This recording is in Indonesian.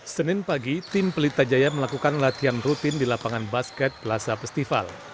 senin pagi tim pelita jaya melakukan latihan rutin di lapangan basket plaza festival